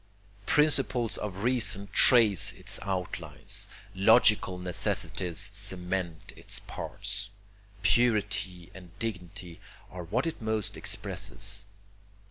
Principles of reason trace its outlines, logical necessities cement its parts. Purity and dignity are what it most expresses.